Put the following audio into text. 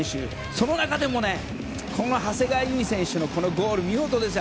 その中でも、長谷川唯選手のこのゴール、見事ですよ。